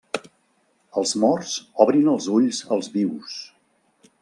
Els morts obrin els ulls als vius.